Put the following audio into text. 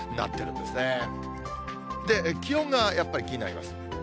で、気温がやっぱり気になります。